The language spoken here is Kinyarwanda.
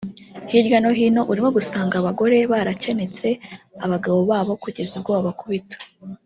hirya no hino urimo gusanga abagore barakenetse abagabo babo kugeza ubwo babakubita